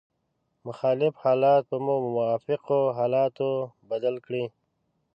مخالف حالات په موافقو حالاتو بدل کړئ.